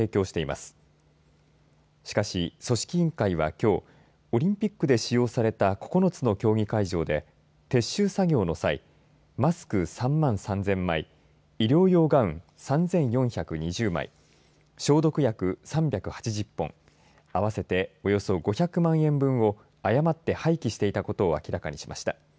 しかし組織委員会は、きょうオリンピックで使用された９つの競技会場で撤収作業の際マスク３万３０００枚医療用ガウン３４２０枚消毒薬３８０本合わせておよそ５００万円分を誤って廃棄していたことを明らかにしました。